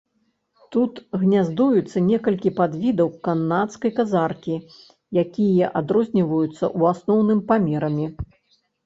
Тут гняздуецца некалькі падвідаў канадскай казаркі, якія адрозніваюцца ў асноўным памерамі.